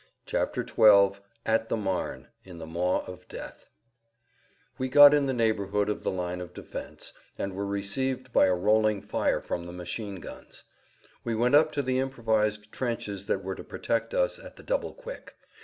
[Pg 89] XII AT THE MARNE—IN THE MAW OF DEATH We got in the neighborhood of the line of defense, and were received by a rolling fire from the machine guns. We went up to the improvised trenches that were to protect us, at the double quick.